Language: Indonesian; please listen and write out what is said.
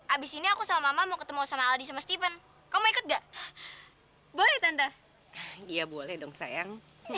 abisinya aku sama mau ketemu sama di pratique om politik ga boleh tante iya boleh dong sayang